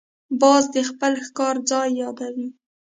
باز د خپل ښکار ځای یادوي